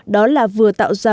đó là vừa tạo ra